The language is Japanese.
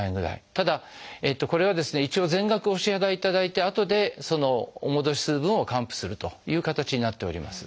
ただこれはですね一度全額お支払いいただいてあとでお戻しする分を還付するという形になっております。